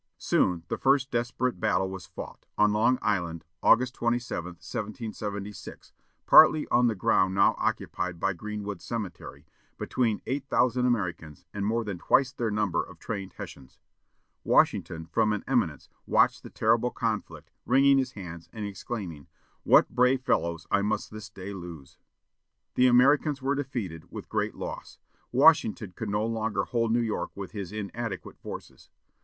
Soon the first desperate battle was fought, on Long Island, August 27, 1776, partly on the ground now occupied by Greenwood Cemetery, between eight thousand Americans and more than twice their number of trained Hessians. Washington, from an eminence, watched the terrible conflict, wringing his hands, and exclaiming, "What brave fellows I must this day lose!" The Americans were defeated, with great loss. Washington could no longer hold New York with his inadequate forces.